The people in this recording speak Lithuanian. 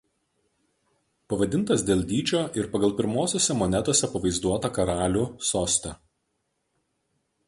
Pavadintas dėl dydžio ir pagal pirmosiose monetose pavaizduotą karalių soste.